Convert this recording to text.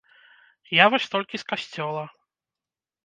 Я вось толькі з касцёла.